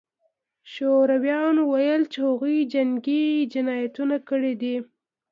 شورویانو ویل چې هغوی جنګي جنایتونه کړي دي